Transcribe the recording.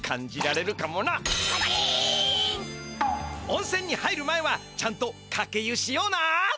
温せんに入る前はちゃんとかけ湯しような！